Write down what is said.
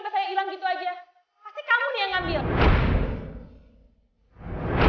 pasti kamu yang ambil